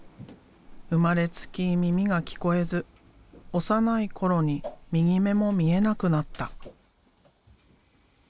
生まれつき耳が聞こえず幼い頃に右目も見えなくなった。